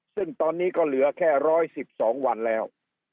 ซึ่งตอนนี้ก็เหลือแค่ร้อยสิบสองวันแล้ว